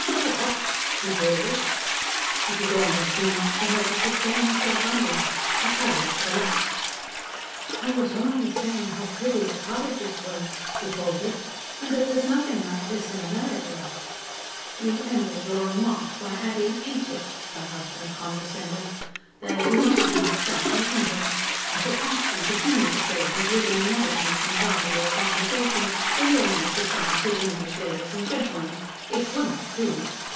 "Wha at?" he drawled. It was almost too much for her to sustain herself under. Her courage collapsed. "I was only saying how pretty the cottages were," she faltered. "And that there's nothing like this in America." "You ended your remark by adding, 'ain't it,'" her husband condescended. "There is nothing like that in England. I shall ask you to do me the favour of leaving Americanisms out of your conversation when you are in the society of English ladies and gentlemen. It won't do."